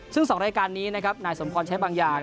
ซึ่ง๒รายการนี้นะครับนายสมพรใช้บางอย่าง